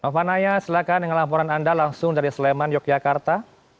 nova naya silakan dengan laporan anda langsung dari sleman yogyakarta